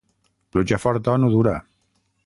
Pluja forta no dura.